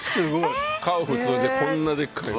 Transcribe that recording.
顔普通で、こんなでっかい。